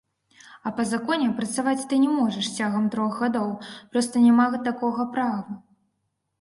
А па законе, працаваць ты не можаш цягам трох гадоў, проста няма такога права.